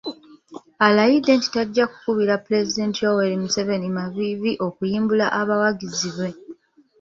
Alayidde nti tajja kukubira Pulezidenti Yoweri Museveni maviivi okuyimbula abawagizi be.